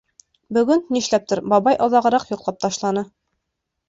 Бөгөн, нишләптер, бабай оҙағыраҡ йоҡлап ташланы.